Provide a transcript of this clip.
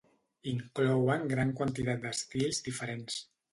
Inclouen gran quantitat d'estils diferents.